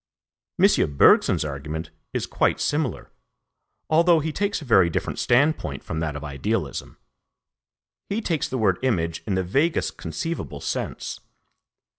M. Bergson's argument is quite similar, although he takes a very different standpoint from that of idealism. He takes the word image in the vaguest conceivable sense.